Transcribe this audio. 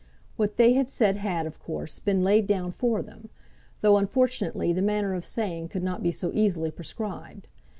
What they had said had, of course, been laid down for them; though, unfortunately, the manner of saying could not be so easily prescribed.